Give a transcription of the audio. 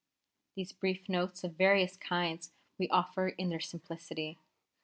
These brief notes of various kinds we offer in their simplicity.